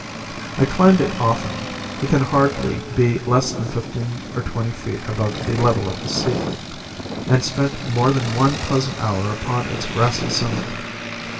I climbed it often (it can hardly be less than fifteen or twenty feet above the level of the sea), and spent more than one pleasant hour upon its grassy summit.